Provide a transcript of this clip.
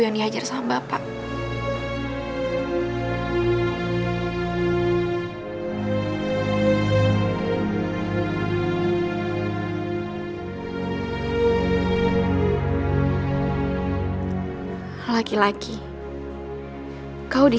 asal jangan ibu yang people